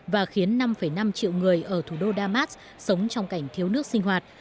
và khiến năm năm triệu người ở thủ đô damas sống trong cảnh thiếu nước sinh hoạt